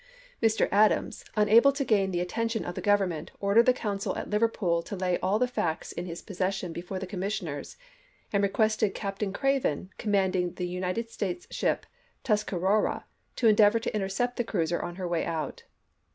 Mr. Adams, unable to gain the at tention of the Government, ordered the consul at Liverpool to lay all the facts in his possession T^efore the Commissioners, and requested Captain Craven, commanding the United States ship Tus carora, to endeavor to intercept the cruiser on her way out.